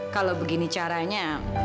kalau begini caranya